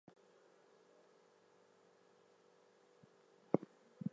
Originally, the song had six stanzas.